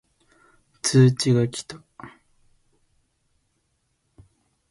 通知が来た